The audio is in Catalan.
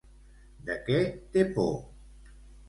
De què té por?